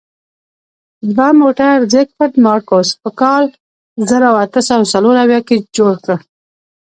دا موټر زیکفرد مارکوس په کال زر اته سوه څلور اویا کې جوړ کړ.